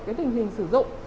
cái tình hình sử dụng